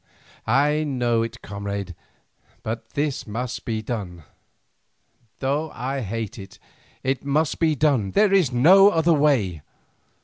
"I know it, comrade. But this must be done; though I hate it, it must be done, there is no other way.